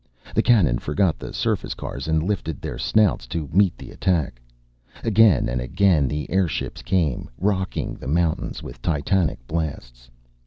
The cannon forgot the surface cars and lifted their snouts to meet the attack. Again and again the airships came, rocking the mountains with titanic blasts.